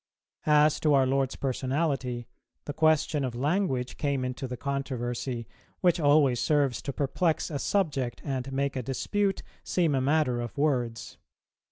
As to our Lord's Personality, the question of language came into the controversy, which always serves to perplex a subject and make a dispute seem a matter of words.